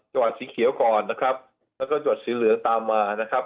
จังหวัดสีเขียวก่อนนะครับแล้วก็หยอดสีเหลืองตามมานะครับ